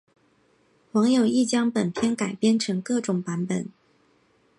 网友亦将本片改编成各种版本。